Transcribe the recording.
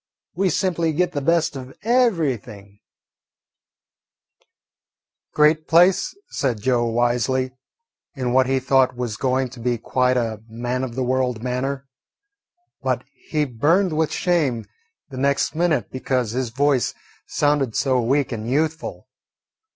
we simply git the best of everything." "Great place," said Joe wisely, in what he thought was going to be quite a man of the world manner. But he burned with shame the next minute because his voice sounded so weak and youthful.